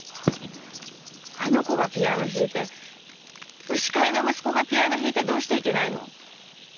あの子がピアノ弾いて牛飼いの息子がピアノ弾いてどうしていけないの？